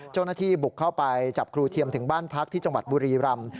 เจ้าหน้าที่บุกเข้าไปจับครูเทียมถึงบ้านพักที่จังหวัดบุรีรำ